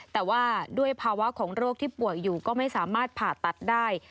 แต่ว่าด้วยภาวะของโรคที่ป่วยอยู่ก็ไม่สามารถผ่าตัดได้